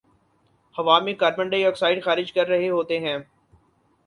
ہوا میں carbon dioxide خارج کررہے ہوتے ہیں